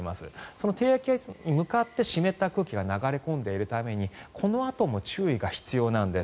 その低気圧に向かって湿った空気が流れ込んでいるためにこのあとも注意が必要なんです。